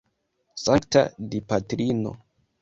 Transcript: Sankta Dipatrino!